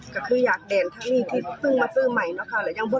ประหยันทาหรี่ชั้นขึ้นเออ